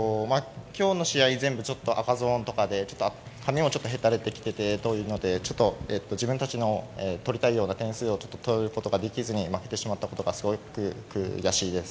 今日の試合全部ちょっと赤ゾーンとかで紙もへたれてきててというのでちょっと自分たちの取りたいような点数を取ることができずに負けてしまったことがすごく悔しいです。